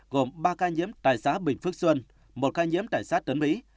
gồm ba ca nhiễm tại xã bình phước xuân một ca nhiễm tại xã tuấn mỹ